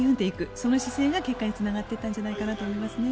その姿勢が結果につながっていったんじゃないかと思いますね。